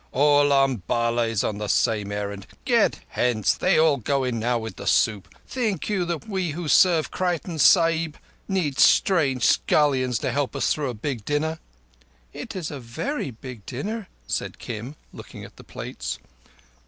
"All Umballa is on the same errand. Get hence. They go in now with the soup. Think you that we who serve Creighton Sahib need strange scullions to help us through a big dinner?" "It is a very big dinner," said Kim, looking at the plates.